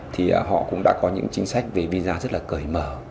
thì họ cũng đã có những chính sách về visa rất là cởi mở